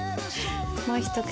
もう一口。